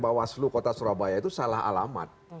bawaslu kota surabaya itu salah alamat